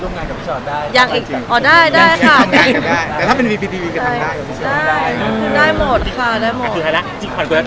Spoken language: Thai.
แล้วแต่ก็ที่ฝันทำเนี่ยมันดูดที่ถูก